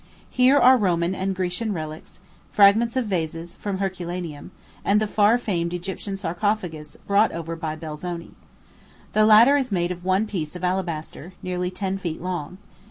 Here are Roman and Grecian relics; fragments of vases from Herculaneum; and the far famed Egyptian sarcophagus brought over by Belzoni. The latter is made of one piece of alabaster, nearly ten feet long.